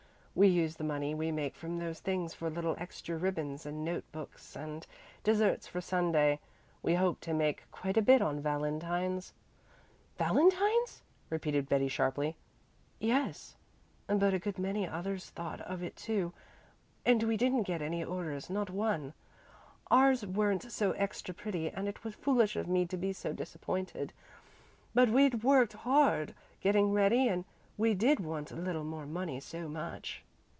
We use the money we make from those things for little extras ribbons and note books and desserts for Sunday. We hoped to make quite a bit on valentines " "Valentines?" repeated Betty sharply. "Yes, but a good many others thought of it too, and we didn't get any orders not one. Ours weren't so extra pretty and it was foolish of me to be so disappointed, but we'd worked hard getting ready and we did want a little more money so much."